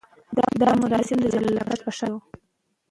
دا مراسم د جلال اباد په ښار کې وو.